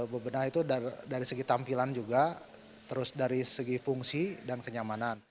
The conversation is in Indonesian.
bebenah itu dari segi tampilan juga terus dari segi fungsi dan kenyamanan